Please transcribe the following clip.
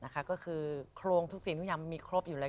ก็คือโครงทุกสิ่งทุกอย่างมันมีครบอยู่แล้ว